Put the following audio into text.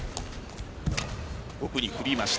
奥に振りました。